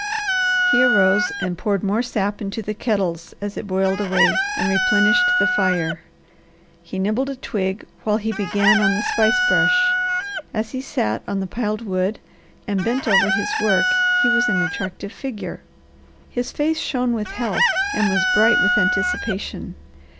He arose and poured more sap into the kettles as it boiled away and replenished the fire. He nibbled a twig when he began on the spice brush. As he sat on the piled wood, and bent over his work he was an attractive figure. His face shone with health and was bright with anticipation.